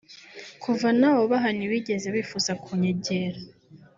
Kuva nawubaha ntibigeze bifuza kunyegera